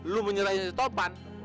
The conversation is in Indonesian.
lu menyerahin si topan